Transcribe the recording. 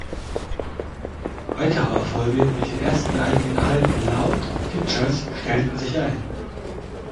Weitere Erfolge mit den ersten eigenen Alben Loud und Pictures stellten sich ein.